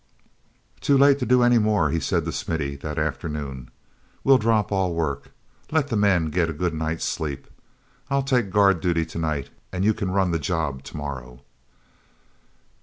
"Too late to do any more," he said to Smithy that afternoon. "We'll drop all work—let the men get a good night's sleep. I'll take guard duty to night, and you can run the job to morrow."